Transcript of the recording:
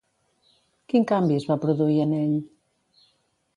Quin canvi es va produir en ell?